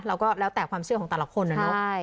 ก็แล้วแต่ความเชื่อของแต่ละคนนะเนอะ